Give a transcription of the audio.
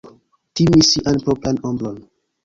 Timi sian propran ombron.